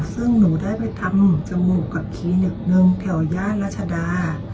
ซึ่งหนูได้ไปทำจมูกกับคลินิกหนึ่งแถวย่านรัชดา